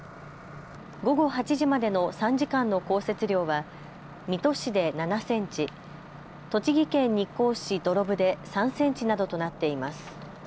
午後８時までの３時間の降雪量は水戸市で７センチ、栃木県日光市土呂部で３センチなどとなっています。